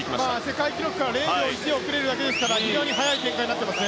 世界記録から０秒１遅れるだけですから非常に速い展開です。